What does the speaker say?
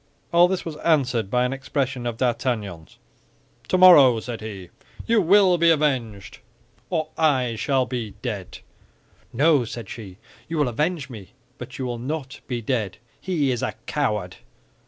All this was answered by an expression of D'Artagnan's. "Tomorrow," said he, "you will be avenged, or I shall be dead." "No," said she, "you will avenge me; but you will not be dead. He is a coward."